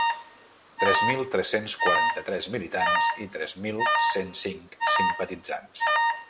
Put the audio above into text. Tres mil tres-cents quaranta-tres militants i tres mil cent cinc simpatitzants.